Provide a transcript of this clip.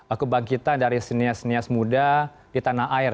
aku bagita dari sinias sinias muda di tanah air